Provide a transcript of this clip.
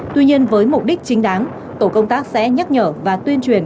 tuy nhiên với mục đích chính đáng tổ công tác sẽ nhắc nhở và tuyên truyền